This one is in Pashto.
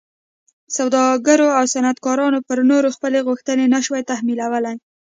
سوداګرو او صنعتکارانو پر نورو خپلې غوښتنې نه شوای تحمیلولی.